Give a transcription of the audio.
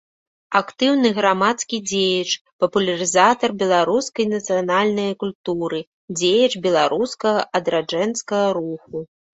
Актыўны грамадскі дзеяч, папулярызатар беларускай нацыянальнай культуры, дзеяч беларускага адраджэнскага руху.